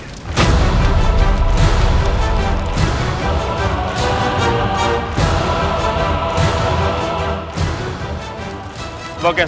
sebagai seorang raja pajajara